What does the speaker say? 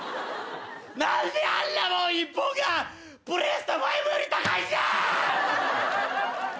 何であんなもん１本がプレステ５より高いんじゃ！